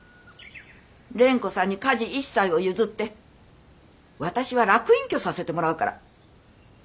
蓮子さんに家事一切を譲って私は楽隠居させてもらうから。